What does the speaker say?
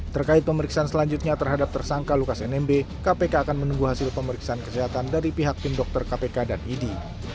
terkait pemeriksaan selanjutnya terhadap tersangka lukas nmb kpk akan menunggu hasil pemeriksaan kesehatan dari pihak tim dokter kpk dan idi